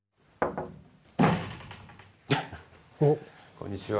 こんにちは。